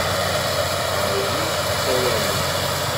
Mɛa wi tessawalem?